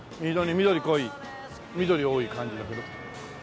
緑濃い緑多い感じだけど。